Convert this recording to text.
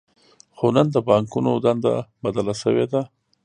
خو نن د بانکونو دنده بدله شوې ده